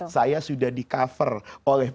saya sudah di cover oleh